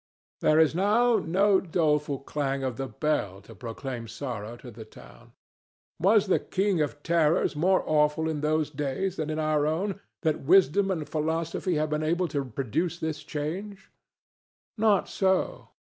There is now no doleful clang of the bell to proclaim sorrow to the town. Was the King of Terrors more awful in those days than in our own, that wisdom and philosophy have been able to produce this change? Not so.